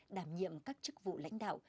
đảm nhiệm các chức vụ lãnh đạo